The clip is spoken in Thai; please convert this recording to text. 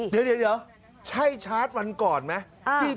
เดี๋ยวใช่ชาร์จวันก่อนไหม